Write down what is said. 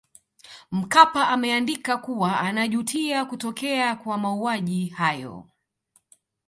Mkapa ameandika kuwa anajutia kutokea kwa mauaji hayo